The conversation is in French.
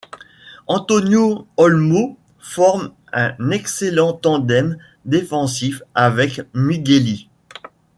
Antonio Olmo forme un excellent tandem défensif avec Migueli.